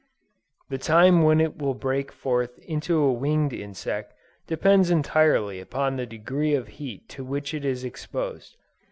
The time when it will break forth into a winged insect, depends entirely upon the degree of heat to which it is exposed.